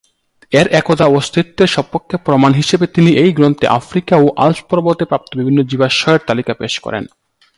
এর একদা অস্তিত্বের সপক্ষে প্রমাণ হিসেবে তিনি এই গ্রন্থে আফ্রিকা ও আল্পস পর্বতে প্রাপ্ত বিভিন্ন জীবাশ্মের তালিকা পেশ করেন।